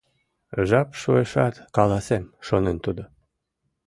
«Жап шуэшат, каласем, — шонен тудо.